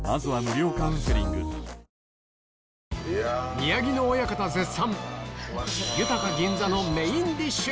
宮城野親方絶賛！